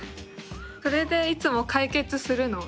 それでいつも解決するの？